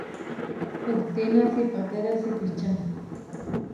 Hustína siʼpátere sipičá.